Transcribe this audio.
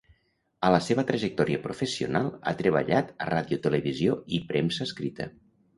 A la seva trajectòria professional ha treballat a ràdio, televisió i premsa escrita.